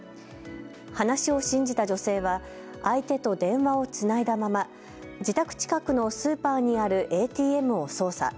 話を信じた女性は相手と電話をつないだまま自宅近くのスーパーにあるＡＴＭを操作。